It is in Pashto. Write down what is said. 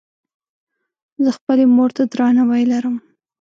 زۀ خپلې مور ته درناوی لرم.